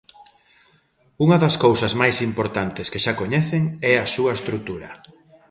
Unha das cousas máis importantes que xa coñecen é a súa estrutura...